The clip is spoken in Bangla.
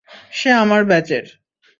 সে আমার ব্যাচের।